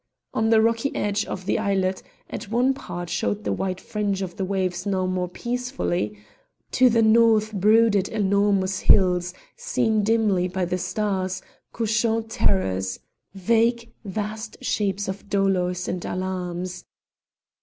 On the rocky edge of the islet at one part showed the white fringe of the waves now more peaceful; to the north brooded enormous hills, seen dimly by the stars, couchant terrors, vague, vast shapes of dolours and alarms.